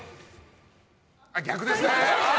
あ、逆ですね。